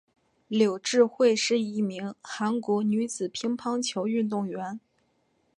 柳智惠是一名韩国女子乒乓球运动员。